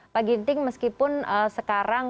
pak ginting meskipun sekarang